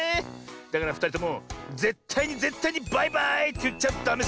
だからふたりともぜったいにぜったいにバイバーイっていっちゃダメサボだよ。